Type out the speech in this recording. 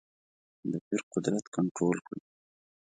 د پیر قدرت کنټرول کړې.